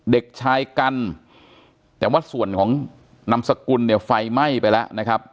เด็กชายกันแต่ว่าส่วนของนามสกุลเนี่ยไฟไหม้ไปแล้วนะครับ